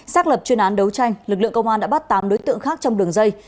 xác lập chuyên án đấu tranh lực lượng công an đã bắt tám đối tượng khác trong đường dây